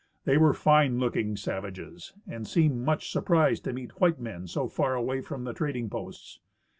They were fine looking savages and seemed much surprised to meet white men so far away from the trading posts.